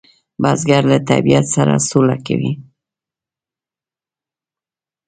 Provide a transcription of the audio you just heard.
بزګر له طبیعت سره سوله کوي